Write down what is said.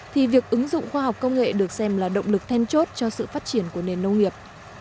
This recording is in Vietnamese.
thì việc ứng dụng khoa học công nghệ được xem là động lực then chốt cho sự phát triển của nền nông nghiệp